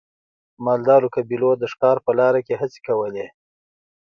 مالدارو قبیلو د ښکار په لاره کې هڅې کولې.